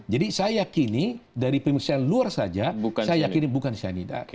jadi saya yakini dari pemirsa yang luar saja saya yakin ini bukan si anida